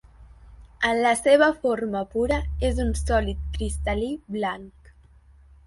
En la seva forma pura és un sòlid cristal·lí blanc.